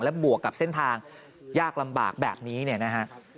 บวกกับเส้นทางยากลำบากแบบนี้เนี่ยนะฮะ